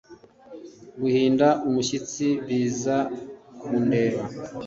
guhinda umushyitsi biza kundeba –